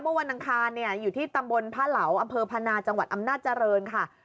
วันอังคารอยู่ที่ตำบลพระเหลาอำเภอพนาจังหวัดอำนาจเจริญค่ะ